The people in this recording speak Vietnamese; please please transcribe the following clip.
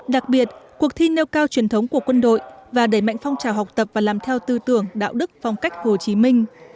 đặc biệt cuộc thi nêu cao truyền thống của quân đội và đẩy mạnh phong trào học tập và làm theo tư tưởng đạo đức phong cách hồ chí minh